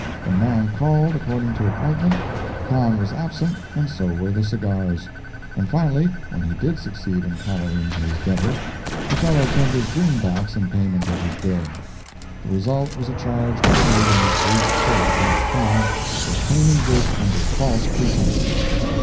When the man called, according to appointment, Kahn was absent and so were the cigars; and finally, when he did succeed in corralling his debtor, the fellow tendered green backs in payment of his bill. The result was a charge preferred in the Police Court against Kahn, for obtaining goods under false pretences.